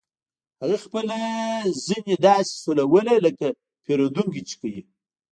هغه خپله زنې داسې سولوله لکه پیرودونکي چې کوي